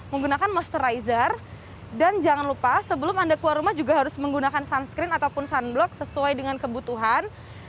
menggunakan monsterizer dan jangan lupa sebelum anda keluar rumah juga harus menggunakan sunscreen ataupun sunblock sesuai dengan kebutuhan